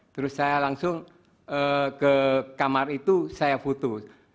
terus saya langsung ke kamar itu saya foto